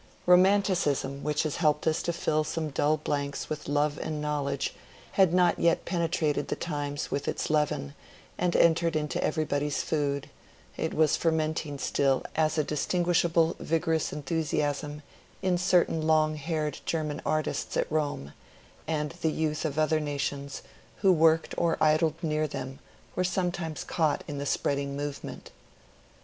Romanticism, which has helped to fill some dull blanks with love and knowledge, had not yet penetrated the times with its leaven and entered into everybody's food; it was fermenting still as a distinguishable vigorous enthusiasm in certain long haired German artists at Rome, and the youth of other nations who worked or idled near them were sometimes caught in the spreading movement.